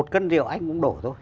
một cân rượu anh cũng đổ thôi